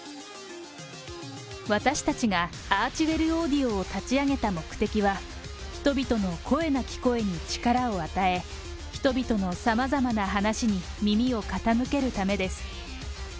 私たちがアーチウェル・オーディオを立ち上げた目的は、人々の声なき声に力を与え、人々のさまざまな話に耳を傾けるためです。